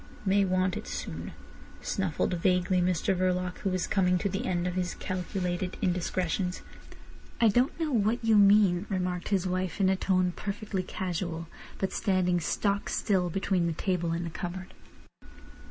"May want it soon," snuffled vaguely Mr Verloc, who was coming to the end of his calculated indiscretions. "I don't know what you mean," remarked his wife in a tone perfectly casual, but standing stock still between the table and the cupboard.